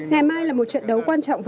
ngày mai là một trận đấu quan trọng